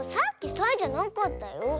サイじゃなかった。